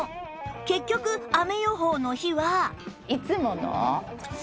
結局雨予報の日は